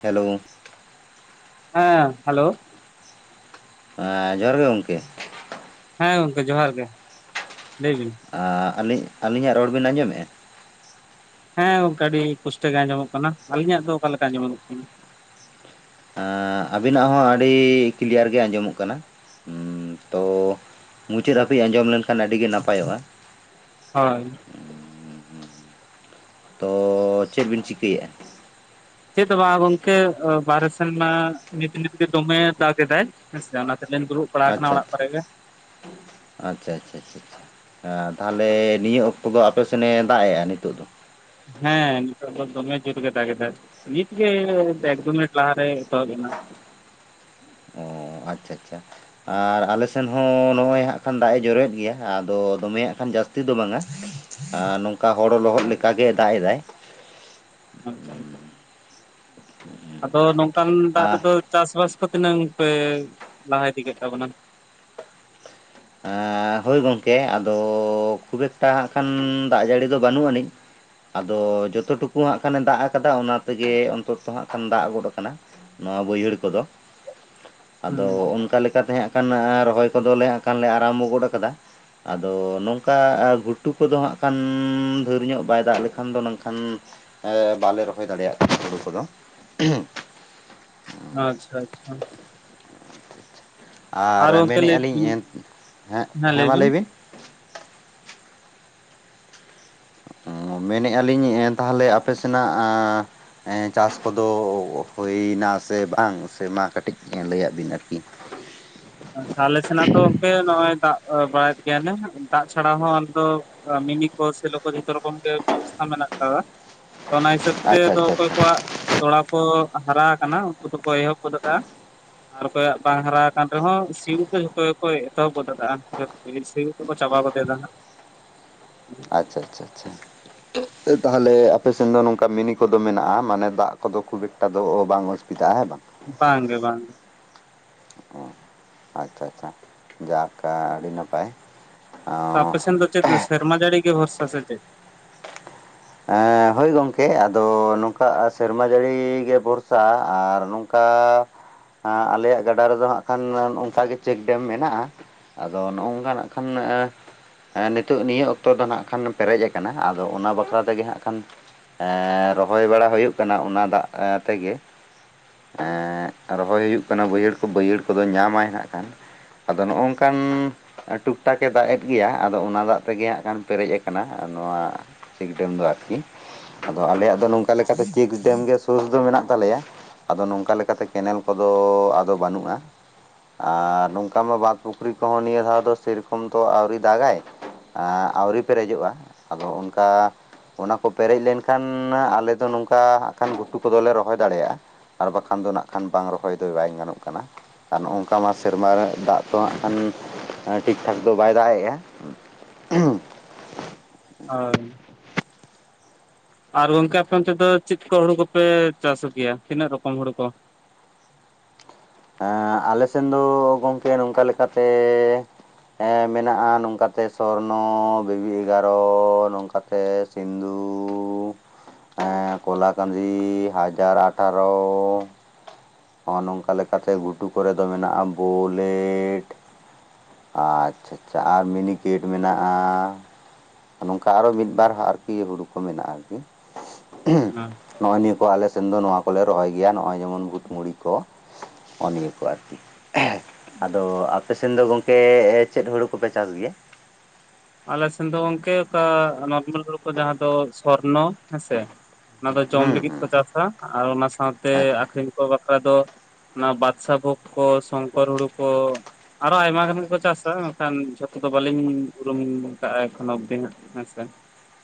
Hello ᱦᱮᱸ hello ᱦᱮᱸ ᱡᱚᱦᱟᱨ ᱜᱮ ᱜᱚᱢᱠᱮ᱾ ᱦᱮᱸ ᱜᱚᱝᱠᱮ ᱡᱚᱦᱟᱨ ᱜᱮ ᱞᱟᱹᱭ ᱵᱤᱱ᱾ ᱟᱻ ᱟᱹᱞᱤᱧ ᱟᱹᱞᱤᱧᱟᱜ ᱨᱚᱲ ᱵᱤᱱ ᱟᱸᱡᱚᱢᱮᱫ-ᱟ᱾ ᱦᱮᱸ ᱜᱚᱱᱠᱟ ᱟᱹᱰᱤ ᱯᱩᱥᱴᱟᱹ ᱜᱮ ᱟᱸᱡᱚᱢᱚᱜ ᱠᱟᱱᱟ ᱟᱞᱤᱧᱟᱜ ᱫᱚ ᱚᱠᱟ ᱞᱮᱠᱟ ᱟᱸᱡᱚᱢᱚᱜ ᱠᱟᱱᱟ᱾ ᱮᱻ ᱟᱵᱤᱱᱟᱜ ᱦᱚᱸ ᱟᱹᱰᱤ ᱠᱮᱞᱤᱭᱟᱨ ᱜᱮ ᱟᱸᱡᱚᱢᱚᱜ ᱠᱟᱱᱟ ᱛᱳ ᱢᱩᱪᱟᱹᱫ ᱦᱟᱹᱵᱤᱡ ᱟᱸᱡᱚᱢ ᱞᱮᱱᱠᱷᱟᱱ ᱟᱹᱰᱤ ᱜᱮ ᱱᱟᱯᱟᱭᱚᱜ-ᱟ᱾ ᱦᱳᱭ ᱛᱚ ᱪᱮᱫ ᱵᱤᱱ ᱪᱤᱠᱟᱹᱭᱮᱜ-ᱟ᱾ ᱪᱮᱫ ᱫᱚ ᱵᱟᱝ ᱜᱚᱝᱠᱮ ᱵᱟᱨᱦᱮ ᱥᱮᱱᱢᱟ ᱱᱤᱛ ᱱᱤᱛ ᱜᱮ ᱫᱚᱢᱮ ᱫᱟᱜ ᱮᱫᱟᱭ ᱦᱮᱸᱥᱮ [unintelligible] ᱟᱪᱪᱷᱟ ᱠᱚᱨᱮ ᱜᱮ ᱟᱪᱪᱷᱟ ᱟᱪᱪᱷᱟ ᱟᱪᱪᱷᱟ ᱮ ᱛᱟᱦᱚᱞᱮ ᱱᱤᱭᱟᱹ ᱚᱠᱛᱚ ᱫᱚ ᱟᱯᱮᱥᱮᱱᱮ ᱫᱟᱜ ᱮᱜ-ᱟ ᱱᱤᱛᱳᱜ ᱫᱚ᱾ ᱦᱮᱸ ᱱᱤᱛᱚᱜ ᱫᱚ ᱫᱚᱢᱮ ᱡᱳᱨ ᱜᱮ ᱫᱟᱜ ᱮᱫᱟ᱾ ᱱᱤᱛ ᱜᱮ, ᱮᱠ ᱫᱩ ᱢᱤᱱᱟᱴ ᱞᱟᱦᱟ ᱨᱮ, ᱮᱛᱚᱦᱚᱵ ᱮᱱᱟ ᱾ ᱚ ᱟᱪᱪᱷᱟ ᱟᱪᱪᱷᱟ ᱟᱨ ᱟᱞᱮ ᱥᱮᱱ ᱦᱚᱸ ᱱᱚᱜᱼᱚᱭ ᱦᱟᱸᱜ ᱠᱷᱟᱱ ᱫᱟᱜ ᱮ ᱡᱚᱨᱮᱫ ᱜᱮᱭᱟ ᱟᱫᱚ ᱫᱚᱢᱮ ᱦᱟᱸᱜ ᱠᱷᱟᱱ ᱡᱟᱹᱥᱛᱤ ᱫᱚ ᱵᱟᱝᱼᱟ ᱟᱨ ᱱᱚᱝᱼᱠᱟ ᱦᱚ ᱞᱚᱦᱚᱫᱠᱟᱜᱮ ᱫᱟᱜ ᱮᱫᱟᱭ᱾ ᱟᱪᱪᱷᱟ ᱟᱫᱚ ᱱᱚᱝᱼᱠᱟᱱ ᱫᱟᱜ ᱟᱨ ᱨᱮᱫᱚ ᱪᱟᱥ ᱵᱟᱟᱥ ᱠᱚ ᱛᱤᱱᱟᱹᱝ ᱯᱮ ᱞᱟᱦᱟ ᱤᱫᱤ ᱠᱮᱫ ᱛᱟᱵᱚᱱᱟ᱾ ᱮᱸ ᱦᱳᱭ ᱜᱚᱢᱠᱮ ᱟᱫᱚ ᱠᱷᱩᱵ ᱮᱠᱴᱟ ᱦᱟᱸᱜ ᱠᱷᱟᱱ ᱫᱟᱜ ᱡᱟᱹᱲᱤ ᱫᱚ ᱵᱟᱹᱱᱩᱜ ᱟᱹᱱᱤᱡᱼᱼ ᱟᱫᱚ ᱡᱚᱛᱚ ᱴᱩᱠᱩ ᱦᱟᱸᱜ ᱠᱷᱟᱱᱮ ᱫᱟᱜ ᱟᱠᱟᱫᱟ ᱚᱱᱟ ᱛᱮᱜᱮ ᱚᱱᱛᱚᱛᱚ ᱦᱟᱸᱜ ᱠᱷᱟᱱᱮ ᱫᱟᱜ ᱜᱚᱫ ᱠᱟᱱᱟ᱾ ᱱᱚᱣᱟ ᱵᱟᱹᱭᱦᱟᱹᱲ ᱠᱚᱫᱚ᱾ ᱦᱩᱸ ᱟᱫᱚ ᱚᱱᱠᱟ ᱞᱮᱠᱟᱛᱮ ᱦᱟᱸᱜ ᱠᱷᱟᱱ ᱨᱚᱦᱚᱭ ᱠᱚᱫᱚᱞᱮ ᱠᱷ ᱟᱨᱟᱢ ᱜᱚᱫ ᱠᱟᱫᱟ᱾ ᱟᱫᱚ ᱱᱚᱝᱼᱠᱟ ᱜᱷᱩᱴᱩ ᱠᱚᱫᱚ ᱦᱟᱸᱜ ᱠᱷᱟᱱ ᱫᱷᱷᱟᱹᱨ ᱧᱚᱜ ᱵᱟᱭ ᱫᱟᱜ ᱞᱮᱠᱷᱟᱱ ᱫᱚ ᱱᱚᱝ ᱠᱷᱟᱱᱼᱼ ᱵᱟᱞᱮ ᱨᱚᱦᱚᱭ ᱫᱟᱲᱮᱭᱟᱜ ᱠᱟᱱᱟ ᱦᱩᱲᱩ ᱠᱚᱫᱚ᱾ ᱟᱪᱪᱷᱟ ᱟᱪᱪᱷᱟ᱾ ᱟᱨ ᱜᱚᱝᱠᱮ ᱢᱮᱱᱮᱫᱼᱟ ᱞᱟᱹᱭ ᱞᱤᱧ ᱵᱤᱱ ᱮ ᱦᱮ ᱦᱮᱸ ᱞᱟᱹᱭ ᱢᱟ ᱵᱤᱱ ᱞᱟᱹᱭᱵᱤᱱ? ᱢᱮᱱᱮᱫᱼᱟ ᱞᱤᱧ ᱛᱟᱦᱞᱮ ᱟᱯᱮ ᱥᱮᱱᱟᱜᱼᱼ ᱪᱟᱥ ᱠᱚᱫᱚ ᱦᱩᱭᱱᱟ ᱥᱮ ᱵᱟᱝ ᱥᱮᱢᱟ ᱠᱟᱹᱴᱤᱡ ᱞᱟᱹᱭᱟᱜ ᱵᱤᱱ ᱟᱨᱠᱤ? ᱟᱪᱷᱟ ᱟᱞᱮ ᱥᱮᱱᱟᱜ ᱫᱚ ᱚᱝᱠᱮ ᱱᱚᱜᱼᱚᱭ ᱫᱟᱜ ᱵᱟᱲᱟᱭᱮᱫ ᱜᱮᱭᱟᱞᱮ ᱫᱟᱜ ᱪᱷᱟᱲᱟ ᱦᱚᱸ ᱟᱞᱮ ᱫᱚᱼᱼ ᱢᱤᱱᱤ ᱠᱚ ᱥᱮᱞ ᱡᱷᱚᱛᱚ ᱨᱚᱠᱚᱢ ᱜᱮ ᱵᱮᱵᱚᱥᱛᱷᱟ ᱢᱮᱱᱟᱜ ᱟᱠᱟᱫᱟ ᱚᱱᱟ ᱦᱤᱥᱟᱹᱵ ᱛᱮᱼᱼ ᱪ ᱟᱪᱪᱷᱟ ᱫᱚ ᱟᱪᱪᱷᱟ ᱚᱠᱚᱭ ᱟᱪᱪᱷᱟ ᱠᱚᱣᱟᱜ ᱛᱚᱲᱟᱼᱼ ᱠᱚ ᱦᱟᱨᱟ ᱟᱠᱟᱱᱟ ᱩᱱᱠᱩ ᱫᱚᱠᱚ ᱮᱦᱚᱵ ᱜᱚᱫ ᱠᱼᱟ ᱟᱨ ᱚᱠᱚᱭᱟᱜ ᱵᱟᱝ ᱦᱟᱨᱟ ᱟᱠᱼᱼ ᱟᱨᱦᱚᱸ ᱥᱤᱣ ᱠᱚ ᱡᱷᱚᱛᱚ ᱜᱮᱠᱚ ᱮᱛᱚᱦᱚᱵ ᱜᱚᱫᱟ ᱡ ᱥᱤᱣ ᱠᱚᱠᱚ ᱪᱟᱵᱟ ᱜᱚᱫᱟ ᱦᱟᱜ᱾ ᱟᱪᱪᱷᱟ ᱟᱪᱪᱷᱟ ᱟᱪᱪᱷᱟ ᱛᱟᱦᱚᱞᱮ ᱟᱯᱮ ᱥᱮᱱ ᱫᱚ ᱱᱚᱝᱠᱟ ᱢᱤᱱᱤ ᱠᱚᱫᱚ ᱢᱮᱱᱟᱜᱼᱟ ᱢᱟᱱᱮ ᱫᱟᱜ ᱠᱚᱫᱚ ᱠᱷᱩᱵ ᱮᱠᱴᱟ ᱫᱚ ᱵᱟᱝ ᱚᱥᱩᱵᱤᱫᱷᱟᱜᱼᱟ ᱦᱮᱸ ᱵᱟᱝ? ᱵᱟᱝ ᱜᱮ ᱵᱟᱝ ᱜᱮ᱾ ᱚᱸ ᱟᱪᱪᱷᱟ ᱟᱪᱪᱷᱟ, ᱡᱟᱜ ᱟᱹᱰᱤ ᱱᱟᱯᱟᱭ᱾ ᱟᱯᱮ ᱚᱸ ᱥᱮᱱ ᱫᱚ ᱪᱮᱫ ᱥᱮᱨᱢᱟ ᱡᱟᱹᱲᱤ ᱜᱮ ᱵᱷᱚᱨᱥᱟ ᱥᱮ ᱪᱮᱫ? ᱦᱳᱭ ᱜᱚᱢᱠᱮ ᱟᱫᱚ, ᱱᱚᱝᱠᱟ ᱥᱮᱨᱢᱟ ᱡᱟᱹᱲᱤ ᱜᱮ ᱵᱷᱚᱨᱥᱟ ᱟᱨ ᱱᱚᱝ ᱟᱻᱨ, ᱟᱞᱮᱭᱟᱜ ᱜᱟᱰᱟ ᱨᱮᱫᱚ ᱦᱟᱸᱜ ᱠᱷᱟᱱ ᱚᱱᱠᱟᱜᱮ ᱪᱮᱠ ᱰᱮᱢ ᱢᱮᱱᱟᱜᱼᱟ᱾ ᱟᱫᱚ ᱱᱚᱜᱼᱚ ᱱᱝᱠᱟ ᱱᱟᱜ ᱠᱷᱟᱱ ᱮᱻ ᱦᱮᱸ ᱱᱤᱛᱚᱜ ᱱᱤᱭᱟᱹ ᱚᱠᱛᱚ ᱫᱚ ᱱᱟᱜ ᱠᱷᱟᱱ ᱯᱮᱨᱮᱡ ᱟᱠᱟᱱᱟ ᱟᱫᱚ ᱚᱱᱟ ᱵᱟᱠᱷᱚ ᱹᱹᱹᱹ ᱛᱮᱜᱮ ᱦᱟᱸᱜ ᱠᱷᱟᱱ ᱮᱸ, ᱨᱚᱦᱚᱭ ᱵᱟᱲᱟ ᱦᱳᱭᱳᱜ ᱠᱟᱱᱟ ᱚᱱᱟ ᱫᱟᱜ ᱛᱮᱜᱮ ᱾ ᱮᱸᱜ ᱨᱚᱦᱚᱭ ᱦᱩᱭᱩᱜ ᱠᱟᱱᱟ ᱵᱟᱹᱭᱦᱟᱹᱲ ᱠᱚ ᱵᱟᱹᱭᱦᱟᱹᱲ ᱠᱚᱫᱚ ᱧᱟᱢᱟᱭ ᱦᱟᱸᱜ ᱠᱷᱟᱱ ᱟᱫᱚ ᱱᱚᱜᱼᱚ ᱱᱝᱠᱟᱱ ᱴᱩᱠᱴᱟᱠ ᱮ ᱫᱟᱜ ᱮᱫ ᱜᱮᱭᱟ ᱟᱫᱚ ᱚᱱᱟ ᱫᱟᱜ ᱛᱮᱜᱮ ᱦᱟᱸᱜ ᱠᱷᱟᱱ ᱯᱮᱨᱮᱡᱽ ᱠᱟᱱᱟ ᱱᱚᱣᱟ ᱪᱮᱠ ᱰᱮᱢ ᱫᱚ ᱟᱨᱠᱤ, ᱟᱫᱚ ᱟᱞᱮᱭᱟᱜ ᱫᱚ ᱱᱚᱝᱠᱟ ᱞᱮᱠᱟᱛᱮ ᱪᱮᱠ ᱰᱮᱢ ᱜᱮ ᱥᱳᱨ ᱫᱚ ᱢᱮᱱᱟᱜ ᱛᱟᱞᱮᱭᱟ ᱾ ᱟᱫᱚ ᱱᱚᱝᱠᱟ ᱞᱮᱠᱟᱛᱮ ᱠᱮᱱᱮᱞ ᱠᱚᱫᱚ ᱟᱫᱚ ᱵᱟᱹᱱᱩᱜᱼᱟ ᱾ ᱟᱨ ᱱᱚᱝᱠᱟ ᱢᱟ ᱵᱟᱸᱫ ᱯᱩᱠᱷᱨᱤ ᱠᱚᱦᱚᱸ ᱱᱤᱭᱟᱹ ᱫᱷᱟᱣ ᱫᱚ ᱥᱮᱨᱚᱠᱚᱢ ᱫᱚ ᱟᱹᱣᱨᱤ ᱫᱟᱜᱟᱭ ᱾ ᱟᱹᱣᱨᱤ ᱯᱮᱨᱮᱡᱚᱜᱼᱟ ᱟᱫᱚ ᱚᱱᱠᱟ ᱚᱱᱟ ᱠᱚ ᱯᱮᱨᱮᱡ ᱞᱮᱱᱠᱷᱟᱱ ᱟᱞᱮ ᱫᱚ ᱱᱚᱝᱠᱟ ᱱᱟᱜ ᱠᱷᱟᱱ ᱜᱷᱩᱴᱩ ᱠᱚᱫᱚᱞᱮ ᱨᱚᱦᱚᱭ ᱫᱟᱲᱮᱭᱟᱜᱼᱟ ᱾ ᱟᱨ ᱵᱟᱠᱷᱟᱱ ᱫᱚ ᱱᱟᱜ ᱠᱷᱟᱱ ᱵᱟᱝ ᱨᱚᱦᱚᱭ ᱫᱚ ᱵᱟᱭ ᱜᱟᱱᱚᱜ ᱠᱟᱱᱟ ᱾ ᱟᱨ ᱱᱚ ᱱᱚᱝᱠᱟ ᱢᱟ ᱥᱮᱨᱢᱟ ᱨᱮ ᱫᱟᱜ ᱫᱚ ᱦᱟᱸᱜ ᱠᱷᱟᱱ ᱴᱷᱤᱠ ᱴᱷᱟᱠ ᱫᱚ ᱵᱟᱭ ᱫᱟᱜ ᱮᱼᱟ ᱾ ᱦᱩᱸ [unintelligible] ᱟ-ᱨ-ᱢ ᱾ ᱟᱨ ᱜᱚᱝᱠᱮ ᱟᱯᱮ ᱚᱱᱛᱮ ᱫᱚ ᱪᱮᱫ ᱠᱚ ᱦᱩᱲᱩ ᱠᱚᱯᱮ ᱪᱟᱥ ᱠᱮᱭᱟ ᱛᱤᱱᱟᱹᱜ ᱨᱚᱠᱚᱢ ᱦᱩᱲᱩ ᱠᱚ? ᱦᱮᱸ ᱟᱞᱮ ᱥᱮᱱ ᱫᱚ ᱜᱚᱢᱠᱮ ᱱᱚᱝᱠᱟ ᱞᱮᱠᱟᱛᱮ ᱦᱮᱸ ᱢᱮᱱᱟᱜᱼᱟ ᱱᱚᱝᱠᱟᱛᱮ ᱥᱚᱨᱱᱚ ᱵᱤᱵᱤ ᱮᱜᱟᱨᱚ ᱱᱚᱝᱠᱟᱛᱮᱼᱼ ᱤᱧ ᱫᱚᱻ ᱦᱮᱸ ᱠᱚᱞᱟ ᱠᱟᱫᱤ ᱦᱟᱡᱟᱨ ᱟᱴᱷᱟᱨᱚ ᱾ ᱱᱚᱜᱼᱚ ᱱᱚᱝᱠᱟ ᱞᱮᱠᱟᱛᱮ ᱜᱷᱩᱴᱩ ᱠᱚᱨᱮ ᱫᱚ ᱢᱮᱱᱟᱜᱼᱟ ᱵᱚᱞᱮᱴ ᱾ ᱟ-ᱪ-ᱪᱷᱟᱪᱼᱪᱷᱟ ᱟᱨ ᱢᱤᱱᱤᱠᱮᱴ ᱢᱮᱱᱟᱜᱼᱟ᱾ ᱱᱚᱝᱠᱟ ᱟᱨᱚ ᱢᱤᱫᱵᱟᱨ ᱟᱨᱠᱤ ᱦᱩᱲᱩ ᱠᱚ ᱢᱮᱱᱟᱜᱼᱟ ᱟᱨᱠᱤ᱾ ᱦᱮᱸ ᱱᱚᱜᱼᱚᱭ ᱱᱤᱭᱟᱹ ᱠᱚ ᱟᱞᱮ ᱥᱮᱱ ᱫᱚ ᱱᱚᱣᱟ ᱠᱚᱞᱮ ᱨᱚᱦᱚᱭ ᱜᱮᱭᱟ ᱱᱚᱜᱼᱚᱭ ᱡᱮᱢᱚᱱ ᱜᱩᱴᱢᱚᱲᱤ ᱠᱚ ᱾ ᱦᱚᱸᱜᱼ ᱱᱤᱭᱟᱹ ᱠᱚ [unintelligible] ᱟᱨᱠᱤ ᱟᱫᱚ ᱟᱯᱮ ᱥᱮᱱ ᱫᱚ ᱜᱚᱝᱠᱮ ᱪᱮᱫ ᱦᱩᱲᱩ ᱠᱚᱯᱮ ᱪᱟᱥ ᱜᱮᱭᱟ? ᱟᱞ ᱥᱮ ᱫᱚ ᱜᱝᱠᱮ ᱠᱟ ᱱᱟᱢᱚᱞ [unintelligible] ᱡᱟᱦᱟᱸ ᱫᱚ ᱥᱚᱨᱱᱚ ᱦᱮᱸᱥ, ᱚᱱᱟ ᱫᱚ ᱡᱚᱢ ᱦᱩᱸ ᱞᱟᱹᱜᱤᱫ ᱾ ᱦᱩᱸ ᱠᱚ ᱪᱟᱥᱟ ᱟᱨ ᱚᱱᱟ ᱥᱟᱶᱛᱮ ᱟᱪᱪᱷᱟ ᱟᱠᱷᱨᱤᱧ ᱠᱚ ᱵᱟᱠᱷᱨᱟ ᱫᱚ ᱚᱱᱟ ᱵᱟᱫᱥᱟ ᱵᱷᱳᱜᱽ ᱠᱚ ᱥᱚᱝᱠᱚᱨ ᱦᱩᱲᱩ ᱠᱚ ᱟᱨᱚ ᱟᱭᱢᱟ ᱜᱟᱱ ᱜᱮᱠᱚ ᱪᱟᱥᱟ ᱢᱮᱱᱠᱷᱟᱱ ᱡᱷᱚᱛᱚ ᱫᱚ ᱵᱟᱹᱞᱤᱧ ᱞᱚᱢᱤᱱ ᱵᱩ ᱠᱟᱜᱼᱟ ᱮᱠᱷᱚᱱ ᱚᱵᱫᱤ ᱦᱟᱸᱜ ᱦᱮᱸᱥᱮ᱾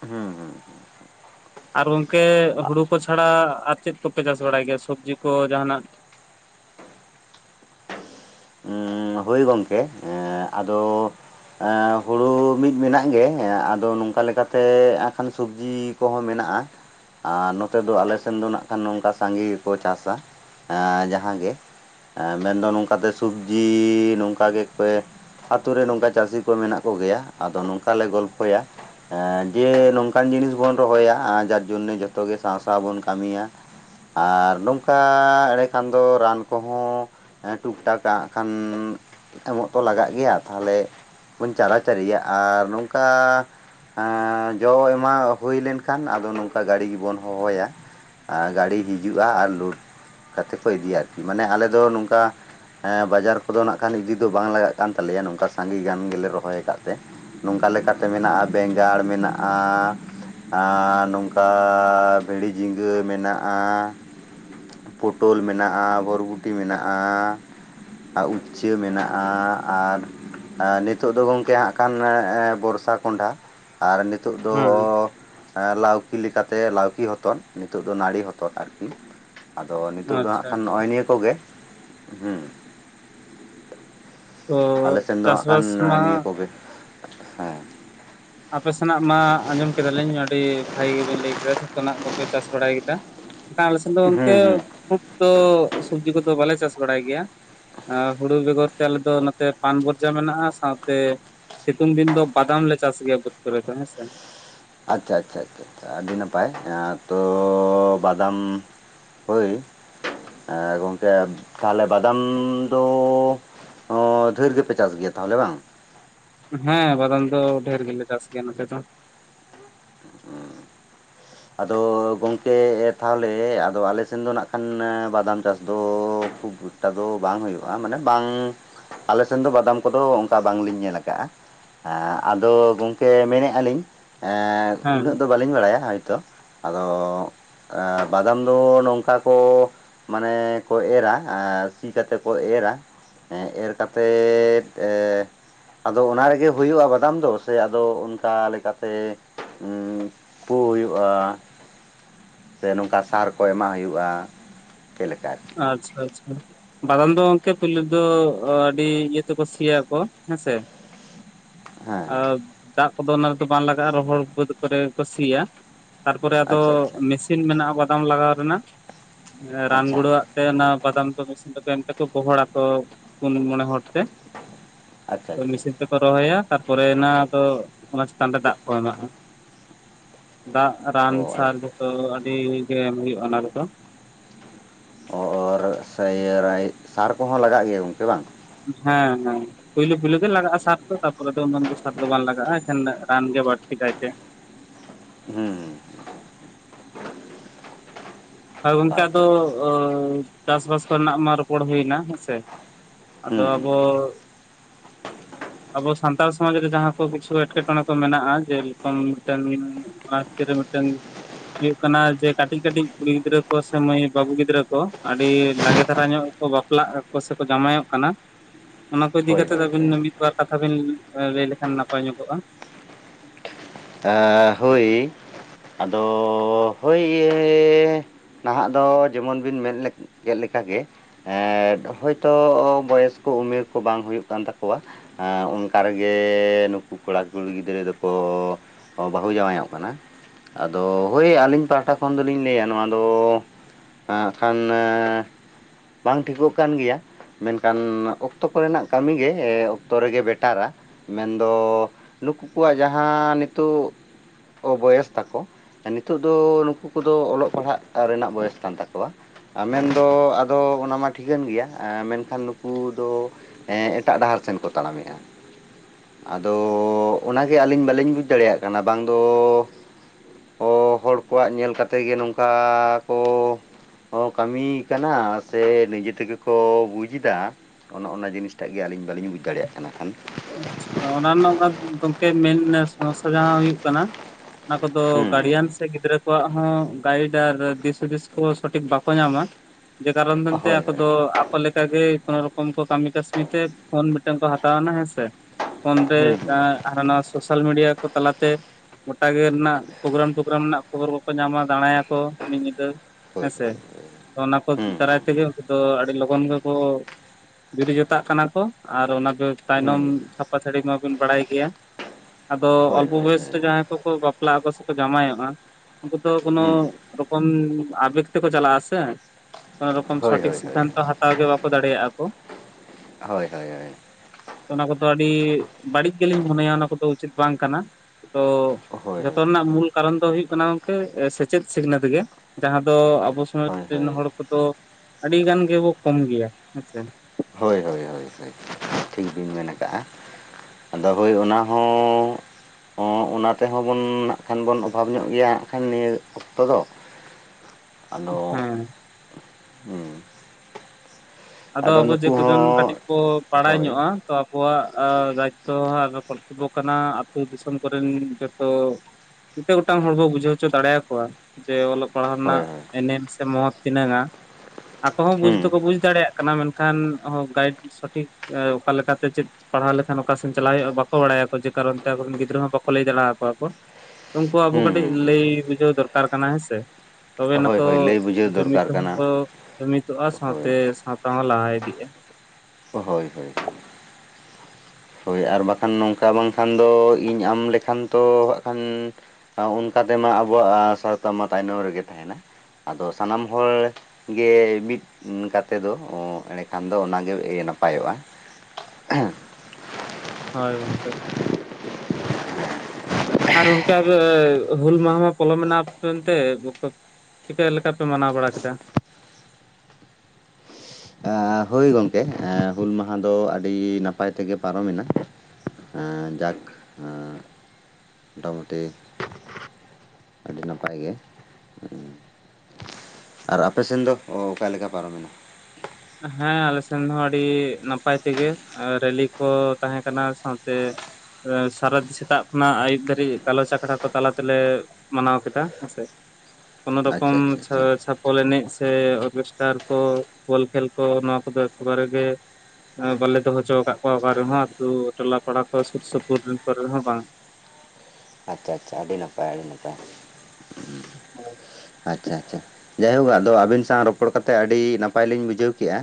ᱦᱩᱸ- ᱦᱩᱸ ᱾ ᱟᱨ ᱜᱚᱝᱠᱮ ᱦᱩᱲᱩ ᱠᱚ ᱪᱷᱟᱲᱟ ᱟᱨ ᱪᱮᱫ ᱠᱚᱯᱮ ᱪᱟᱥ ᱵᱟᱲᱟᱭ ᱜᱮᱭᱟ ᱥᱚᱵᱽᱡᱤ ᱠᱚ ᱡᱟᱦᱟᱱᱟᱜ? ᱦᱳᱭ ᱜᱚᱢᱠᱮ ᱟᱫᱚ ᱦᱩᱲᱩ ᱢᱤᱫ ᱢᱮᱱᱟᱜ ᱜᱮ ᱟᱫᱚ ᱱᱚᱝᱠᱟ ᱞᱮᱠᱟᱛᱮ ᱟ ᱠᱷᱟᱱ ᱥᱚᱵᱽᱡᱤ ᱠᱚᱸᱦᱚᱸ ᱢᱮᱱᱟᱜᱼᱟᱸ ᱸ ᱟᱨ ᱱᱚᱛᱮ ᱫᱚ ᱟᱞᱮ ᱥᱮᱱ ᱫᱚ ᱱᱟᱜ ᱠᱷᱟᱱ ᱱᱚᱝᱠᱟ ᱥᱟᱸᱜᱮ ᱜᱮᱠᱚ ᱪᱟᱥᱟ ᱡᱟᱦᱟ ᱜᱮ ᱾ ᱦᱮᱸ ᱢᱮᱱᱫᱚ ᱱᱚᱝᱠᱟᱛᱮ ᱥᱚᱵᱽᱡᱤ ᱱᱚᱝᱠᱟ ᱜᱮ ᱯᱮ ᱟᱛᱩ ᱨᱮ ᱱᱚᱝᱠᱟ ᱪᱟᱹᱥᱤ ᱠᱚ ᱢᱮᱱᱟᱜ ᱠᱚᱜᱮᱭᱟ, ᱟᱫᱚ ᱱᱚᱝᱠᱟ ᱞᱮ ᱜᱚᱞᱯᱷᱚᱭᱟ ᱮ ᱡᱮ ᱱᱚᱝᱠᱟᱱ ᱡᱤᱱᱤᱥ ᱵᱚᱱ ᱨᱚᱦᱚᱭᱟ ᱡᱟᱨ ᱡᱚᱱᱱᱮ ᱡᱚᱛᱚ ᱜᱮ ᱥᱟᱶ ᱥᱟᱶ ᱵᱚᱱ ᱠᱟᱹᱢᱤᱭᱟ ᱾ ᱟᱨ ᱱᱚᱝᱠᱟ ᱮᱲᱮ ᱠᱷᱟᱱ ᱫᱚ ᱨᱟᱱ ᱠᱚᱦᱚᱸ ᱴᱟᱠᱟᱜ ᱠᱷᱟᱱ ᱮᱢᱚᱜ ᱛᱚ ᱞᱟᱜᱟᱜ ᱜᱮᱭᱟ ᱛᱟᱦᱚᱞᱮ, ᱵᱚᱱ ᱪᱟᱨᱟ ᱪᱟᱨᱤᱭᱟ ᱟᱨ ᱱᱚᱝᱠᱟᱼᱼ ᱡᱚ ᱮᱢᱟ ᱦᱩᱭ ᱞᱮᱱᱠᱷᱟᱱ ᱟᱫᱚ ᱱᱚᱝᱠᱟ ᱜᱟᱹᱰᱤ ᱜᱮᱵᱚᱱ ᱦᱚᱦᱚᱭᱟ᱾ ᱟᱨ ᱜᱟᱹᱲᱤ ᱦᱤᱡᱩᱜᱼᱟ ᱟᱨ ᱞᱳᱰ ᱠᱟᱛᱮ ᱠᱚ ᱤᱫᱤᱭᱟ ᱟᱨᱠᱤ ᱢᱟᱱᱮ ᱟᱞᱮ ᱫᱚ ᱱᱚᱝᱠᱟᱼᱼ ᱦᱮᱸ ᱵᱟᱡᱟᱨ ᱠᱚᱫᱚ ᱱᱟᱜ ᱠᱷᱟᱱ ᱤᱫᱤ ᱫᱚ ᱵᱟᱝ ᱞᱟᱜᱟᱜ ᱠᱟᱱ ᱛᱟᱞᱮᱭᱟ ᱱᱚᱝᱠᱟ ᱥᱟᱸᱜᱮ ᱜᱟᱱ ᱜᱮᱞᱮ ᱨᱚᱦᱚᱭ ᱟᱠᱟᱫ ᱛᱮ᱾ ᱱᱚᱝᱼᱠᱟ ᱞᱮᱠᱟᱛᱮ ᱢᱮᱱᱟᱜᱼᱟ ᱵᱮᱸᱜᱟᱲ ᱢᱮᱱᱟᱜᱼᱟᱼᱼ ᱟᱨ ᱱᱚᱝᱼᱠᱟ ᱵᱷᱤᱱᱰᱤ ᱡᱷᱤᱸᱜᱟᱹ ᱢᱮᱱᱟᱜᱼᱟ᱾ ᱯᱚᱴᱚᱞ ᱢᱮᱱᱟᱜᱼᱟ ᱵᱚᱨᱵᱚᱴᱤ ᱢᱮᱱᱟᱜᱼᱟ᱾ ᱩᱪᱟᱹ ᱢᱮᱱᱟᱜᱼᱟ ᱟᱨᱼᱼ ᱱᱤᱛᱚᱜ ᱫᱚ ᱜᱚᱝᱠᱮ ᱦᱟᱸᱜ ᱠᱟᱱ ᱵᱚᱨᱥᱟ ᱠᱸᱰᱷᱟ᱾ ᱟᱨ ᱱᱤᱛᱳ ᱫᱚᱼᱼ ᱦᱮᱸ ᱞᱟᱹᱣᱠᱤ ᱞᱮᱠᱟᱛᱮ ᱞᱟᱹᱣᱠᱤ ᱦᱚᱛᱚᱫ ᱱᱤᱛᱚᱜ ᱫᱚ ᱱᱟᱹᱲᱤ ᱦᱚᱛᱚᱫ ᱟᱨᱠᱤ᱾ ᱟᱫᱚ ᱱᱤᱛᱳᱜ ᱫᱚ ᱦᱟᱸᱜ ᱟᱪᱪᱷᱟ ᱠᱷᱟᱱ ᱟᱪᱪᱷᱟ ᱱᱚᱜᱼᱚᱭ ᱱᱤᱭᱟᱹ ᱠᱚ ᱜᱮ ᱦᱩᱸᱼᱼ ᱛᱚ ᱟᱞᱮ ᱥᱮᱱ ᱫᱚ ᱦᱟᱸᱜ ᱠᱷᱟᱱ ᱪᱟᱥᱵᱟᱥ ᱢᱟ ᱱᱤᱭᱟᱹ ᱠᱚᱜᱮ ᱦᱮᱸ᱾ ᱟᱯᱮ ᱥᱮᱱᱟᱜ ᱢᱟ ᱟᱸᱡᱚᱢ ᱠᱮᱫᱟᱞᱤᱧ ᱟᱹᱰᱤ ᱵᱷᱟᱜᱤ ᱜᱮᱵᱤᱱ ᱞᱟᱹᱭ ᱠᱮᱫᱟ ᱡᱷᱚᱛᱚ ᱱᱟᱜ ᱠᱚ ᱯᱮ ᱪᱟᱥ ᱵᱟᱲᱟᱭ ᱠᱮᱫᱟ, ᱮᱱᱠᱷᱟᱱ ᱟᱞᱮ ᱥᱮᱫ ᱫᱚ ᱦᱮᱸ ᱚᱱᱠᱮ ᱦᱮᱸ ᱠᱷᱩ ᱫᱚ ᱥᱚᱵᱡᱤ ᱠᱚᱫᱚ ᱵᱟᱞᱮ ᱪᱟᱥ ᱵᱟᱲᱟᱭ ᱜᱮᱭᱟ᱾ ᱟᱨ ᱦᱩᱲᱩ ᱵᱮᱜᱚᱨ ᱛᱮ ᱟᱞᱮ ᱫᱚ ᱱᱚᱛᱮ ᱯᱟᱱᱵᱚᱨᱡᱟ ᱢᱮᱱᱟᱜᱼᱟ ᱥᱟᱶᱛᱮᱼᱼ ᱥᱤᱛᱩᱝ ᱫᱤᱱ ᱫᱚ ᱵᱟᱫᱟᱢ ᱞᱮ ᱪᱟᱥ ᱜᱮᱭᱟ ᱵᱟᱹᱫᱽ ᱠᱚ ᱨᱮ ᱫᱚ ᱦᱮᱸ ᱥᱮ, ᱟᱪᱷᱟ ᱟᱪᱷᱟ ᱟᱹᱰᱤ ᱱᱟᱯᱟᱭ ᱛᱚ ᱵᱟᱫᱟᱢᱼᱼ ᱦᱳᱭ ᱜᱚᱝᱼᱠᱮ ᱛᱟᱦᱚᱞᱮ ᱵᱟᱫᱟᱢ ᱫᱚᱼᱼ ᱚ ᱰᱷᱮᱨ ᱜᱮᱯᱮ ᱪᱟᱥ ᱜᱮᱭᱟ ᱛᱟᱦᱚᱞᱮ ᱵᱟᱝ? ᱦᱮᱸ ᱵᱟᱫᱟᱢ ᱫᱚ ᱰᱷᱮᱨ ᱜᱮᱞᱮ ᱪᱟᱥ ᱜᱮᱭᱟ ᱱᱚᱛᱮ ᱫᱚ [inaudible] ᱟᱫᱚ ᱜᱚᱝᱠᱮ ᱛᱟᱦᱚᱞᱮ ᱟᱫᱚ ᱟᱞᱮᱥᱱ ᱫᱚ ᱱᱟᱜ ᱠᱷᱟᱱ ᱵᱟᱫᱟᱢ ᱪᱟᱥᱫᱚ ᱠᱷᱩᱵᱼᱼ ᱮᱴᱟ ᱫᱚ ᱵᱟᱝ ᱦᱩᱭᱩᱜᱼᱟ ᱢᱟᱱᱮ ᱵᱟᱝ ᱟᱞᱮ ᱥᱮᱱ ᱫᱚ ᱵᱟᱫᱟᱢ ᱠᱚᱫᱚ ᱚᱱᱠᱟ ᱵᱟᱝ ᱞᱤᱧ ᱧᱮᱞ ᱟᱠᱟᱜᱼᱟ᱾ ᱟᱫᱚ ᱜᱚᱝᱠᱮ ᱢᱮᱱᱮᱫᱼᱟ ᱞᱤᱧ ᱦᱮᱸ ᱩᱱᱟᱹᱜ ᱫᱚᱼᱼ ᱵᱟᱹᱞᱤᱧ ᱵᱟᱲᱟᱭᱟ ᱦᱚᱭᱛᱳ ᱟᱫᱚ ᱵᱟᱫᱟᱢ ᱫᱚ ᱱᱚᱝᱼᱠᱟ ᱠᱚ ᱢᱟᱱᱮ ᱠᱚ ᱮᱨᱟ ᱟᱨ ᱥᱤ ᱠᱟᱛᱮ ᱠᱚ ᱮᱨᱟ᱾ ᱦᱮᱸ ᱮᱨ ᱠᱟᱛᱮᱜ ᱮ ᱟᱫᱚ ᱚᱱᱟ ᱨᱮᱜᱮ ᱦᱩᱭᱩᱜᱼᱟ ᱵᱟᱫᱟᱢ ᱫᱚ ᱥᱮ ᱟᱫᱚ ᱚᱱᱠᱟ ᱞᱮᱠᱟᱛᱮ ᱩᱸ ᱯᱩ ᱦᱩᱭᱩᱜᱼᱟ᱾ ᱥᱮ ᱱᱚᱝᱠᱟ ᱥᱟᱨ ᱠᱚ ᱮᱢᱟᱜ ᱦᱩᱭᱩᱜᱼᱟ᱾ ᱪᱮᱫ ᱞᱮᱠᱟ ᱟᱨ? ᱟᱪᱷᱟ ᱟᱪᱷᱟ ᱾ ᱵᱟᱫᱟᱢ ᱫᱚ ᱜᱚᱝᱠᱮ ᱯᱳᱭᱞᱳ ᱫᱚ ᱟᱹᱰᱤ ᱤᱭᱟᱹ ᱛᱮᱠᱚ ᱥᱤᱭᱟᱠᱚ ᱦᱮᱸᱥᱮ ᱾ ᱦᱮᱸ ᱟᱨ ᱫᱟᱜ ᱠᱚᱫᱚ ᱚᱱᱟ ᱨᱮᱫᱚ ᱵᱟᱝ ᱞᱟᱜᱟᱜᱼᱟ ᱨᱚᱦᱚᱲ ᱵᱟᱹᱫ ᱠᱚᱨᱮ ᱜᱮᱠᱚ ᱥᱤᱭᱟ ᱾ ᱛᱟᱨᱯᱚᱨᱮ ᱟᱫᱚ ᱟᱪᱪᱷᱟ ᱟᱪᱪᱷᱟ ᱢᱮᱥᱤᱱ ᱢᱮᱱᱟᱜᱼᱟ ᱵᱟᱫᱟᱢ ᱞᱟᱜᱟᱣ ᱨᱮᱱᱟᱜ ᱟᱪᱪᱷᱟ ᱨᱟᱱᱜᱩᱲᱟᱹᱣᱟᱜ ᱾ ᱛᱮ ᱚᱱᱟ ᱵᱟᱫᱟᱢ ᱠᱚ ᱢᱮᱥᱤᱱ ᱛᱮᱠᱚ ᱮᱢᱛᱮ ᱠᱚ ᱜᱚᱦᱚᱲᱟ ᱠᱚ ᱯᱩᱱ ᱢᱚᱬᱮ ᱦᱚᱲ᱾ ᱛᱮ ᱟᱪᱪᱷᱟ ᱟᱪᱪᱷᱟ ᱢᱤᱥᱤᱱ ᱛᱮ ᱠᱚ ᱨᱚᱦᱚᱭᱟ ᱛᱟᱨᱯᱚᱨᱮᱱᱟ ᱟᱫᱚ ᱚᱱᱟ ᱪᱮᱛᱟᱱ ᱨᱮ ᱫᱟᱜ ᱠᱚ ᱮᱢᱟᱜᱼᱟ ᱾ ᱫᱟᱜ ᱨᱟᱱ ᱚ ᱥᱟᱨ ᱡᱚᱛᱚ ᱟᱹᱰᱤ ᱜᱮ ᱮᱢ ᱦᱩᱭᱩᱜᱼᱟ ᱚᱱᱟ ᱠᱚᱫᱚ᱾ ᱚᱸ ᱚᱨ ᱥᱟᱹᱭᱟᱨᱟᱭ ᱥᱟᱨ ᱠᱚᱦᱚᱸ ᱞᱟᱜᱟᱜ ᱜᱮᱭᱟ ᱜᱚᱝᱠᱮ ᱵᱟᱝ? ᱦᱮᱸ ᱦᱮᱸ᱾ ᱯᱩᱭᱞᱳ ᱯᱩᱭᱞᱳ ᱜᱮ ᱞᱟᱜᱟᱜᱼᱟ ᱥᱟᱨ ᱫᱚ ᱛᱟᱨᱯᱚᱨ ᱫᱚ ᱩᱱᱟᱹᱜ ᱥᱟᱨ ᱫᱚ ᱵᱟᱝ ᱞᱟᱜᱟᱜᱼᱟ ᱮᱠᱦᱮᱱ ᱨᱟᱱ ᱜᱮ ᱵᱟᱹᱲᱛᱤ ᱠᱟᱭ ᱛᱮ ᱾ ᱦᱩᱸᱻ [unintelligible] ᱦᱮᱸ ᱜᱚᱝᱠᱮ ᱟᱫᱚ ᱟᱪᱪᱷᱟ ᱟᱪᱪᱷᱟ ᱪᱟᱥᱵᱟᱥ ᱠᱚᱨᱮᱱᱟᱜ ᱢᱟ ᱨᱚᱯᱚᱲ ᱦᱩᱭᱱᱟ᱾ ᱥᱮᱻ ᱟᱫᱚ ᱦᱩᱸ ᱦᱩᱸ ᱟᱵᱚ ᱟᱵᱚ ᱥᱟᱱᱛᱟᱲ ᱥᱚᱢᱟᱡᱽ ᱨᱮ ᱡᱟᱦᱟᱸ ᱠᱚ ᱠᱤᱪᱷᱩ ᱮᱴᱠᱮᱴᱚᱬᱮ ᱠᱚ ᱢᱮᱱᱟᱜᱼᱟ ᱡᱮ? ᱠᱷᱚᱱ ᱢᱤᱫᱴᱟᱹᱝ ᱟᱨᱛᱤᱨᱮ ᱢᱤᱫᱴᱟᱝ ᱦᱩᱭᱩᱜ ᱠᱟᱱᱟ ᱡᱮ ᱠᱟᱹᱴᱤᱡ ᱠᱟᱹᱴᱤᱡ ᱾ ᱠᱩᱲᱤ ᱜᱤᱫᱽᱨᱟᱹ ᱠᱚ ᱥᱮ ᱢᱟᱹᱭ ᱵᱟᱹᱵᱩ ᱜᱤᱫᱽᱨᱟᱹ ᱠᱚ ᱟᱹᱰᱤ ᱞᱟᱜᱮ ᱫᱷᱟᱨᱟ ᱧᱚᱜ ᱠᱚ ᱵᱟᱯᱞᱟᱜ ᱠᱚ ᱥᱮ ᱠᱚ ᱡᱟᱶᱟᱭᱚᱜ ᱠᱟᱱᱟ ᱚᱱᱟ ᱠᱚ ᱤᱫᱤ ᱦᱳᱭ ᱠᱟᱛᱮ ᱦᱳᱭ ᱟᱹᱵᱤᱱ ᱦᱳᱭ ᱫᱚ ᱢᱤᱫ ᱢᱤᱫ ᱵᱟᱨ ᱠᱟᱛᱷᱟ ᱵᱤᱱ ᱞᱟᱹᱭ ᱞᱮᱠᱷᱟᱱ ᱱᱟᱯᱟᱭ ᱧᱚᱜᱚᱜᱼᱟ᱾ ᱟᱻ ᱦᱳᱭ ᱟᱫᱚ ᱦᱳᱭᱻᱻ ᱱᱟᱦᱟᱜ ᱫᱚ ᱡᱮᱢᱚᱱ ᱵᱤᱱ ᱢᱮᱱᱞᱮᱠ ᱞᱮᱠᱟᱜᱮ ᱦᱮᱸ ᱦᱚᱳᱭᱛᱳ ᱵᱚᱭᱮᱥ ᱠᱚ ᱩᱢᱮᱨ ᱠᱚ ᱵᱟᱝ ᱦᱳᱭᱳᱜ ᱠᱟᱱ ᱛᱟᱠᱚᱣᱟ ᱾ ᱟᱻ ᱚᱱᱠᱟ ᱨᱮᱜᱮ ᱱᱩᱠᱩ ᱠᱚᱲᱟ ᱠᱩᱲᱤ ᱜᱤᱫᱽᱨᱟᱹ ᱫᱚᱠᱚ ᱵᱟᱹᱦᱩ ᱡᱟᱶᱟᱭᱚᱜ ᱠᱟᱱᱟ ᱟᱫᱚ ᱦᱳᱭ ᱟᱹᱞᱤᱧ ᱯᱟᱦᱟᱴᱟ ᱠᱷᱚᱱ ᱫᱚᱞᱤᱧ ᱞᱟᱹᱭᱟ ᱱᱚᱣᱟ ᱫᱚ ᱦᱟᱸᱜ ᱠᱷᱟᱱ ᱵᱟᱝ ᱴᱷᱤᱠᱚᱜ ᱠᱟᱱ ᱜᱮᱭᱟ᱾ ᱢᱮᱱᱠᱷᱟᱱ ᱚᱠᱛᱚ ᱠᱚᱨᱮᱱᱟᱜ ᱠᱟᱹᱢᱤᱜᱮ ᱚᱠᱛᱚ ᱨᱮᱜᱮ ᱵᱮᱴᱟᱨᱟ᱾ ᱢᱮᱱᱫᱚ ᱱᱩᱠᱩ ᱠᱚᱣᱟᱜ ᱡᱟᱦᱟᱸ ᱱᱤᱛᱳᱜ ᱠᱚ ᱵᱚᱭᱮᱥ ᱛᱟᱠᱚ ᱱᱤᱛᱚᱜ ᱫᱚ ᱱᱩᱠᱩ ᱠᱚᱫᱚ ᱚᱞᱚᱜ ᱯᱟᱲᱦᱟᱜ ᱨᱮᱱᱟᱜ ᱵᱚᱭᱚᱥ ᱠᱟᱱ ᱛᱟᱠᱚᱣᱟ᱾ ᱢᱮᱱ ᱫᱚ ᱟᱫᱚ ᱚᱱᱟ ᱢᱟ ᱴᱷᱤᱠᱟᱹᱱ ᱜᱮᱭᱟ ᱢᱮᱱᱠᱷᱟᱱ ᱱᱩᱠᱩ ᱫᱚ ᱦᱮᱸ ᱮᱴᱟᱜ ᱰᱟᱦᱟᱨ ᱥᱮᱱ ᱠᱚ ᱛᱟᱲᱟᱢᱮᱫᱼᱟ᱾ ᱟᱫᱚ ᱚᱱᱟᱜᱮ ᱟᱹᱞᱤᱧ ᱵᱟᱹᱞᱤᱧ ᱵᱩᱡ ᱫᱟᱲᱮᱭᱟᱜ ᱠᱟᱱᱟ ᱵᱟᱝ ᱫᱚ ᱦᱚ ᱦᱚᱲ ᱠᱚᱣᱟᱜ ᱧᱮᱞ ᱠᱟᱛᱮᱫ ᱜᱮ ᱱᱚᱝᱠᱟ ᱠᱚ ᱦᱚ ᱠᱟᱹᱢᱤ ᱠᱟᱱᱟ ᱥᱮ ᱱᱤᱡᱮ ᱛᱮᱜᱮ ᱠᱚ ᱵᱩᱡ ᱫᱟ᱾ ᱚᱱᱮ ᱚᱱᱟ ᱡᱤᱱᱤᱥ ᱴᱟᱜ ᱜᱮ ᱟᱹᱞᱤᱧ ᱵᱟᱟᱹᱞᱤᱧ ᱵᱩᱡ ᱫᱟᱲᱮᱭᱟᱜ ᱠᱟᱱᱟ ᱠᱷᱟᱱ ᱟᱪᱪᱷᱟ ᱚᱱᱟ ᱨᱮᱱᱟᱜ ᱜᱚᱝᱠᱮ ᱢᱮᱱ ᱥᱚᱢᱚᱥᱟ ᱡᱟᱦᱟᱸ ᱦᱩᱭᱩᱜ ᱠᱟᱱᱟ ᱚᱱᱟ ᱠᱚᱫᱚ ᱦᱩᱸ ᱜᱟᱹᱰᱤᱭᱟᱱᱥ ᱦᱩᱸ ᱥᱮ ᱜᱤᱫᱽᱨᱟᱹ ᱠᱚᱣᱟᱜ ᱦᱚᱸ ᱜᱟᱭᱤᱰᱟᱨ ᱫᱤᱥ ᱦᱩᱫᱤᱥ ᱠᱚ ᱥᱚᱴᱷᱤᱠ ᱵᱟᱠᱚ ᱧᱟᱢᱟ ᱾ ᱡᱮ ᱠᱟᱨᱚᱱ ᱢᱮᱱᱛᱮ ᱦᱳᱭ ᱟᱠᱚ ᱦᱳᱭ ᱫᱚ ᱠᱚᱞᱮᱠᱟ ᱜᱮ ᱠᱳᱱᱳ ᱨᱚᱠᱚᱢ ᱠᱚ ᱠᱟᱹᱢᱤ ᱠᱟᱥᱱᱤ ᱛᱮ ᱯᱷᱳᱱ ᱢᱮᱫᱴᱟᱝ ᱠᱚ ᱦᱟᱛᱟᱣ ᱱᱟ ᱦᱮᱸ ᱥᱮ ᱦᱩᱸ ᱯᱷᱱᱰᱮ ᱦᱩᱸ ᱦᱟᱨᱟᱱᱟ [unintelligible] ᱥᱳᱥᱟᱞ ᱢᱤᱰᱤᱭᱟ ᱠᱚ ᱛᱟᱞᱟ ᱛᱮ ᱜᱚᱴᱟ ᱜᱮ ᱨᱮᱱᱟᱜ ᱯᱨᱳᱜᱜᱨᱟᱢ ᱴᱳᱜᱜᱨᱟᱢ ᱨᱮᱱᱟᱜ ᱠᱷᱚᱵᱚᱨ ᱠᱚᱠᱚ ᱧᱟᱢᱟ ᱫᱟᱲᱟᱭᱟᱠᱚ ᱾ ᱚ ᱢᱤᱫ ᱧᱤᱫᱟᱹ ᱦᱳᱭ ᱦᱮᱸᱥᱮ ᱦᱳᱭ ᱚᱱᱟ ᱠᱚ ᱦᱩᱸ ᱦᱩᱸ ᱫᱟᱨᱟᱭ ᱛᱮᱜᱮ ᱩᱱᱠᱩ ᱫᱚ ᱟᱹᱰᱤ ᱞᱚᱜᱚᱱ ᱜᱮᱠᱚ ᱡᱩᱨᱤ ᱡᱚᱛᱟᱜ ᱠᱟᱱᱟ ᱠᱚ ᱟᱨ ᱚᱱᱟ ᱫᱚ ᱦᱩᱸ ᱛᱟᱭᱱᱚᱢ ᱪᱷᱟᱯᱟ ᱥᱟᱹᱲᱤ ᱢᱟᱵᱤᱱ ᱵᱟᱲᱟᱭ ᱜᱮᱭᱟ ᱟᱫᱚ ᱚᱞᱯᱚ ᱵᱚᱭᱚᱥ ᱨᱮ ᱡᱟᱦᱟᱭ ᱚᱠᱚᱭ ᱠᱚ ᱵᱟᱯᱞᱟᱜᱼᱟ ᱥᱮᱠᱚ ᱡᱟᱶᱟᱭᱚᱜᱼᱟ ᱩᱱᱠᱩ ᱫᱚ ᱠᱳᱱᱳ ᱨᱚᱠᱚᱢ ᱟᱵᱮᱜ ᱛᱮᱠᱚ ᱪᱟᱞᱟᱜ ᱟᱥᱮ ᱠᱚᱱᱳ ᱨᱚᱠᱚᱢ ᱥᱚᱴᱷᱤᱠ ᱥᱤᱫᱫᱷᱟᱱᱛᱚ ᱦᱟᱛᱟᱣ ᱜᱮ ᱵᱟᱠᱚ ᱫᱟᱲᱮᱭᱟᱜᱼᱟ ᱠᱚ ᱦᱳᱭ ᱦᱳᱭ ᱦᱳᱭ ᱾ ᱛᱚ ᱚᱱᱟ ᱠᱚᱫᱚ ᱟᱹᱰᱤ ᱵᱟᱹᱲᱤᱡ ᱜᱮᱞᱤᱧ ᱢᱚᱱᱮᱭᱟ ᱚᱱᱟ ᱠᱚᱫᱚ ᱩᱪᱤᱛ ᱵᱟᱝ ᱠᱟᱱᱟ ᱛᱚ ᱡᱚᱛᱚ ᱨᱮᱱᱟᱜ ᱢᱩᱞ ᱠᱟᱨᱚᱱ ᱫᱚ ᱦᱩᱭᱩᱜ ᱠᱟᱱᱟ ᱜᱚᱝᱠᱮ ᱮ ᱥᱮᱪᱮᱫ ᱥᱤᱠᱷᱱᱟᱹᱛ ᱜᱮ᱾ ᱡᱟᱦᱟᱸ ᱫᱚ ᱟᱵᱚ ᱥᱚᱢᱟᱡᱽ ᱨᱮᱱ ᱦᱚᱲ ᱠᱚᱫᱚ ᱟᱹᱰᱤ ᱜᱟᱱ ᱜᱮᱵᱚ ᱠᱚᱢ ᱜᱮᱭᱟ ᱦᱮᱸᱥᱮ! ᱦᱳᱭ ᱦᱳᱭ ᱦᱳᱭ ᱦᱳᱭ ᱴᱷᱤᱠ ᱵᱤᱱ ᱢᱮᱱ ᱟᱠᱟᱜᱼᱟ᱾ ᱟᱫᱚ ᱦᱳᱭ ᱚᱱᱟ ᱦᱚᱸ ᱚᱸ ᱚᱱᱟ ᱛᱮᱦᱚᱸ ᱵᱚᱱ ᱱᱟᱜ ᱠᱷᱟᱱ ᱵᱚᱱ ᱚᱵᱷᱟᱵᱽ ᱧᱚᱜ ᱜᱮᱭᱟ ᱦᱟᱸᱜ ᱠᱷᱟᱱ ᱱᱤᱭᱟᱹ ᱚᱠᱛᱚ ᱫᱚ᱾ ᱟᱫᱚ ᱦᱮᱸ ᱦᱩᱸ ᱟᱫᱚ ᱟᱵᱚ ᱱᱩᱠᱩ ᱡᱮᱠᱚᱳᱡᱚᱱ ᱦᱚᱸ ᱠᱟᱹᱴᱤᱡ ᱵᱚ ᱵᱟᱲᱟᱭ ᱦᱳᱭ ᱧᱚᱜᱼᱟ ᱛᱚ ᱟᱵᱚᱣᱟᱜ ᱟ ᱫᱟᱭᱤᱛᱛᱚ ᱟᱨ ᱠᱚᱨᱛᱚᱵᱽᱵᱚ ᱠᱟᱱᱟ ᱟᱛᱩ ᱫᱤᱥᱚᱢ ᱠᱚᱨᱮᱱ ᱡᱚᱛᱚ ᱡᱛᱮ [unintelligible] ᱜᱚᱴᱟᱝ ᱦᱚᱲ ᱵᱚ ᱵᱩᱡᱷᱟᱹᱣ ᱦᱚᱪᱚ ᱫᱟᱲᱮᱭᱟᱠᱚᱣᱟ ᱡᱮ ᱚᱞ ᱯᱟᱲᱦᱟᱣ ᱦᱳᱭ ᱨᱮᱱᱟᱜ ᱦᱳᱭ ᱮᱱᱮᱢ ᱥᱮ ᱢᱚᱦᱚᱛ ᱛᱤᱱᱟᱹᱝᱟ ᱟᱠᱚ ᱦᱚᱸ ᱵᱩᱡᱽ ᱦᱩᱸ ᱫᱚᱠᱚ ᱵᱩᱡᱽ ᱫᱟᱲᱮᱭᱟᱜ- -ᱠᱟᱱᱟ ᱢᱮᱱᱠᱷᱟᱱ ᱦᱚ ᱜᱟᱭᱤᱰ ᱥᱚᱴᱷᱤᱠ ᱮ ᱚᱠᱟ ᱞᱮᱠᱟᱛᱮ ᱪᱮᱫ ᱯᱟᱲᱦᱟᱣ ᱞᱮᱠᱷᱟᱱ ᱚᱠᱟ ᱥᱮᱱ ᱪᱟᱞᱟᱣ ᱦᱩᱭᱩᱜᱼᱟ ᱵᱟᱠᱚ ᱵᱟᱲᱟᱭᱟᱠᱚ ᱡᱮ ᱠᱟᱨᱚᱱᱛᱮ ᱟᱵᱚᱨᱮᱱ ᱜᱤᱫᱽᱨᱟᱹ ᱦᱚᱸ ᱵᱟᱠᱚ ᱞᱟᱹᱭ ᱫᱮᱞᱟ ᱣᱟᱠᱚ ᱣᱟᱠᱚ‌᱾ ᱩᱱᱠᱩ ᱟᱵᱚ ᱦᱩᱸ ᱠᱟᱹᱴᱤᱡ ᱦᱩᱸ ᱦᱩᱸ ᱞᱟᱹᱭ ᱵᱩᱡᱷᱟᱹᱣ ᱫᱚᱨᱠᱟᱨ ᱠᱟᱱᱟ ᱦᱮᱸ ᱥᱮ? ᱛᱚᱵᱮ ᱦᱳᱭ ᱱᱟᱛᱚ ᱦᱳᱭ ᱞᱟᱹᱭ ᱵᱩᱡᱷᱟᱹᱣ ᱡᱩᱢᱤᱫᱦᱚ ᱫᱚᱨᱠᱟᱨ ᱠᱟᱱᱟ ᱡᱩᱢᱤᱫᱚᱜᱼᱟ ᱦᱳᱭ ᱥᱟᱶᱛᱮ ᱥᱟᱶᱛᱟ ᱦᱚᱸ ᱞᱟᱦᱟ ᱤᱫᱤᱜᱼᱟ᱿ ᱦᱳᱭ ᱦᱳᱭ ᱦᱳᱭ ᱾ ᱦᱳᱭ ᱟᱨ ᱵᱟᱠᱷᱟᱱ ᱱᱚᱝᱠᱟ ᱵᱟᱝᱠᱷᱟᱱ ᱫᱚ ᱤᱧ ᱟᱢ ᱞᱮᱠᱷᱟᱱ ᱛᱚ ᱦᱟᱸᱜ ᱠᱷᱟᱱ ᱚᱱᱠᱟ ᱛᱮᱢᱟ ᱟᱵᱚᱣᱟᱜ ᱥᱟᱶᱛᱟ ᱢᱟ ᱛᱟᱭᱱᱚᱢ ᱨᱮᱜᱮ ᱛᱟᱦᱮᱱᱟ ᱟᱫᱚ ᱥᱟᱱᱟᱢ ᱦᱚᱲ- -ᱜᱮ ᱢᱤᱫ ᱤᱸ ᱠᱟᱛᱮᱫ ᱫᱚ ᱚᱸ ᱮᱸᱰᱮᱠᱷᱟᱱ ᱫᱚ ᱚᱱᱟᱜᱮ ᱱᱟᱯᱟᱭᱚᱜᱼᱟ᱾ ᱮᱸᱦᱮᱸ᱾ ᱦᱳᱭ ᱜᱚᱝᱠᱮ᱾ ᱟᱨ ᱜᱚᱝᱠᱮ ᱟᱯᱮ ᱦᱩᱞ ᱢᱟᱦᱟ ᱢᱟ ᱯᱚᱞᱚᱢᱱᱟ ᱟᱯᱮ ᱚᱱᱛᱮ ᱵᱟᱯᱮ ᱪᱤᱠᱟᱹ ᱞᱮᱠᱟ ᱯᱮ ᱢᱟᱱᱟᱣ ᱵᱟᱲᱟ ᱠᱮᱫᱟ? ᱟᱸ ᱦᱳᱭ ᱜᱚᱢᱠᱮ ᱮᱸ ᱦᱩᱞ ᱢᱟᱦᱟ ᱫᱚ ᱟᱹᱰᱤ ᱱᱟᱯᱟᱭ ᱛᱮᱜᱮ ᱯᱟᱨᱚᱢᱮᱱᱟ᱾ ᱮᱸ ᱡᱟᱠ ᱮᱸ ᱢᱳᱴᱟᱢᱩᱴᱤ ᱟᱹᱰᱤ ᱱᱟᱯᱟᱭ ᱜᱮ ᱮᱸ ᱟᱨ ᱟᱯᱮ ᱥᱮᱱ ᱫᱚ ᱚ ᱚᱠᱟᱞᱮᱠᱟ ᱯᱟᱨᱚᱢᱮᱱᱟ? ᱦᱮᱸ ᱟᱞᱮ ᱥᱮᱱ ᱦᱚᱸ ᱟᱹᱰᱤ ᱱᱟᱯᱟᱭ ᱛᱮᱜᱮ ᱮᱸ ᱨᱮᱞᱤ ᱠᱚ ᱛᱟᱦᱮᱸ ᱠᱟᱱᱟ ᱥᱟᱶᱛᱮ- -ᱮᱸ ᱥᱟᱨᱟᱫᱤ ᱥᱮᱛᱟᱜ ᱠᱷᱚᱱᱟᱜ ᱟᱹᱭᱩᱵ ᱫᱷᱟᱹᱨᱤᱡ ᱜᱟᱞᱚᱪ ᱟᱠᱷᱲᱟ ᱠᱚ ᱛᱟᱞᱟ ᱛᱮᱞᱮ- -ᱢᱟᱱᱟᱣ ᱠᱮᱫᱟ ᱦᱮᱸ ᱥᱮ᱾ ᱠᱳᱱᱳ ᱨᱚᱠᱚᱢ ᱟᱪᱪᱷᱟ ᱟᱪᱪᱷᱟ ᱪᱷᱟ ᱟᱪᱪᱷᱟ ᱪᱷᱟᱯᱚᱞ ᱮᱱᱮᱡ ᱥᱮ ᱚᱨᱠᱮᱥᱴᱟᱨ ᱠᱚ ᱵᱚᱞ ᱠᱷᱮᱞ- -ᱠᱚ ᱱᱚᱣᱟ ᱠᱚᱫᱚ ᱮᱠᱵᱟᱨᱮ ᱜᱮ ᱦᱮᱸ ᱵᱟᱞᱮ ᱫᱚᱦᱚᱪᱚ ᱠᱟᱜ ᱠᱚᱣᱟ ᱚᱠᱟ ᱨᱮᱦᱚᱸ ᱟᱹᱛᱩ ᱴᱚᱞᱟ ᱯᱟᱲᱟ ᱠᱚ ᱥᱩᱨ ᱥᱩᱯᱩᱨ ᱨᱮᱱ ᱠᱚᱨᱮ ᱦᱚᱸ ᱵᱟᱝ᱾ ᱟᱪᱪᱷᱟ ᱟᱪᱪᱷᱟ ᱟᱹᱰᱤ ᱱᱟᱯᱟᱭ ᱟᱹᱰᱤ ᱱᱟᱯᱟᱭ ᱩᱸ ᱟᱪᱪᱷᱟ ᱟᱪᱪᱷᱟ᱾ ᱡᱟᱭᱦᱳᱠ ᱟᱫᱚ ᱟᱹᱵᱤᱱ ᱥᱟᱶ ᱨᱚᱯᱚᱲ ᱠᱟᱛᱮᱫ ᱟᱹᱰᱤ ᱱᱟᱯᱟᱭ ᱞᱤᱧ ᱵᱩᱡᱷᱟᱹᱣ ᱠᱮᱜᱼᱟ᱾